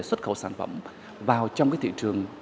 xuất khẩu sản phẩm vào trong cái thị trường